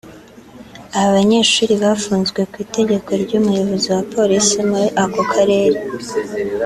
Aba banyeshuri bafunzwe ku itegeko ry’Umuyobozi wa Polisi muri ako karere